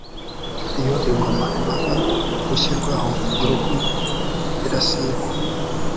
Iyo ingoma imaze gushyirwaho uruhu irasigwa,